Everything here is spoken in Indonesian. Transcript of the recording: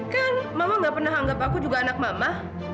kan mama gak pernah anggap aku juga anak mama